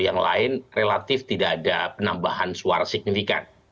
yang lain relatif tidak ada penambahan suara signifikan